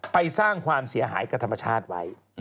สร้างความเสียหายกับธรรมชาติไว้